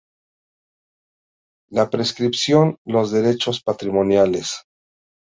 la prescripción, los derechos patrimoniales